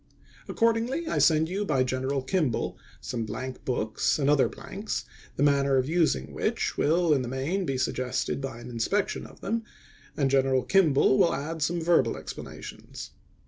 Accordingly I send you by General Kimball some blank books and other blanks, the manner of using which will, in the main, be suggested by an in spection of them, aud General Kimball will add some verbal explanations.